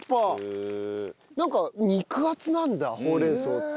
なんか肉厚なんだほうれん草って。